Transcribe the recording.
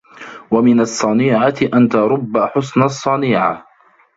وَمِنْ الصَّنِيعَةِ أَنْ تَرُبَّ حُسْنَ الصَّنِيعَةِ